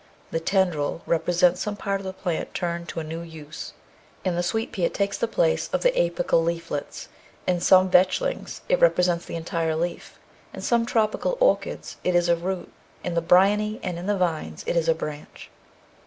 The tendril represents some part of the plant turned to a new use. In the sweet pea it takes the place of the apical leaflets, in some vetch lings it replaces the entire leaf, in some tropical orchids it is a root, in the bryony and in the vines it is a branch.